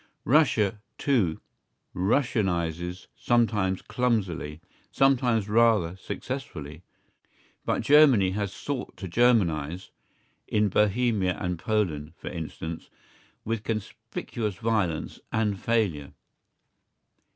Russia, too, "Russianizes," sometimes clumsily, sometimes rather successfully. But Germany has sought to Germanise—in Bohemia and Poland, for instance, with conspicuous violence and failure.